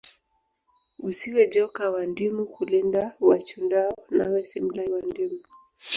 Usiwe joka wa ndimu kulinda wachundao nawe simlai wa ndimu